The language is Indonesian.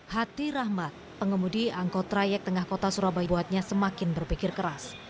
hai hati rahmat pengemudi angkot trayek tengah kota surabaya buatnya semakin berpikir keras